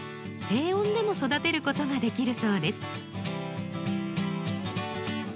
低温でも育てることができるそうです。